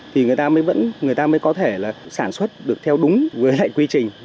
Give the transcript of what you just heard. thì người ta mới có thể sản xuất được theo đúng quy trình